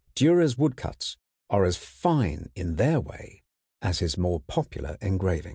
Dürer's woodcuts are as fine in their way as his more popular engravings.